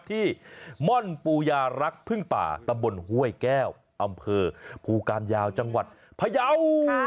ม่อนปูยารักพึ่งป่าตำบลห้วยแก้วอำเภอภูกามยาวจังหวัดพยาว